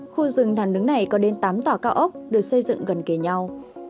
khu rừng thàn đứng này có đến tám tòa cao ốc được xây dựng gần kề nhau